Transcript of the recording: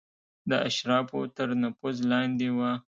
د اشرافو تر نفوذ لاندې وه.